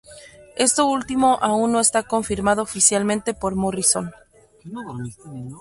Esto último aún no está confirmado oficialmente por Morrison.